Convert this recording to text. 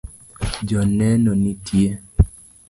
Joneno nitie